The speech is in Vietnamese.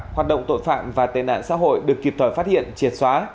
hoạt động tội phạm và tên nạn xã hội được kịp thời phát hiện triệt xóa